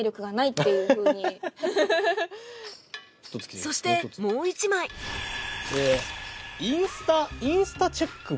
そしてもう１枚インスタインスタチェックを。